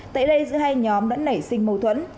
tại đây giữa hai nhóm đã nảy sinh mâu thuẫn